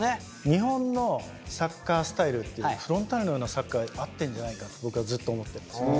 日本のサッカースタイルっていうフロンターレのようなサッカー合ってんじゃないかって僕はずっと思ってるんです。